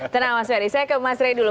tenang mas ferry saya ke mas ray dulu